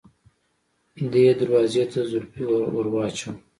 دې دروازې ته زولفی ور واچوه.